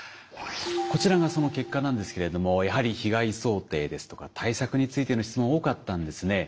こちらがその結果なんですけれどもやはり被害想定ですとか対策についての質問多かったんですね。